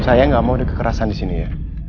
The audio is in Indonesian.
saya nggak mau ada kekerasan di sini ya